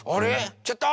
ちょっと！